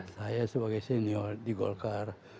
saya sebagai senior di golkar